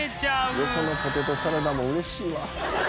横のポテトサラダも嬉しいわ。